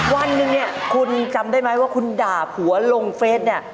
วันหนึ่งเนี่ยคุณจำได้ไหมว่าคุณด่าผัวลงเฟสเนี่ย